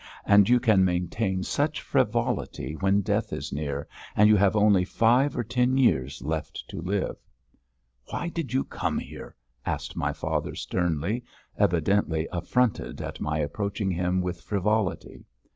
And you can maintain such frivolity when death is near and you have only five or ten years left to live!" "Why did you come here?" asked my father sternly, evidently affronted at my reproaching him with frivolity.